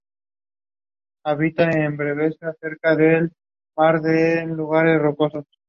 Ya clausurada, alberga un centro de interpretación museístico.